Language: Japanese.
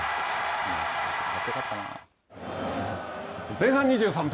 前半２３分。